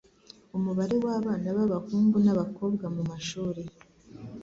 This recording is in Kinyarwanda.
umubare w'abana b'abahungu n'abakobwa mu mashuri